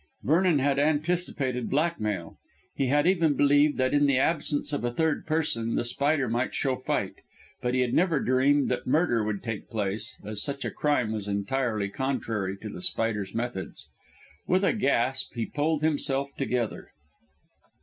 Vernon had anticipated blackmail, he had even believed that in the absence of a third person The Spider might show fight. But he had never dreamed that murder would take place, as such a crime was entirely contrary to The Spider's methods. With a gasp he pulled himself together.